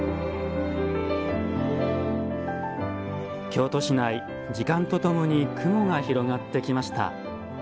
京都市内、時間とともに雲が広がってきました。